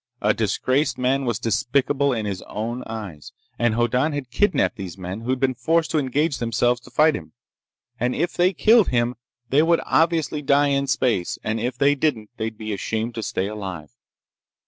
A disgraced man was despicable in his own eyes. And Hoddan had kidnaped these men who'd been forced to engage themselves to fight him, and if they killed him they would obviously die in space, and if they didn't they'd be ashamed to stay alive.